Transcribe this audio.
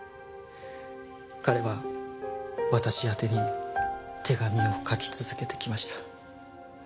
彼は私宛てに手紙を書き続けてきました。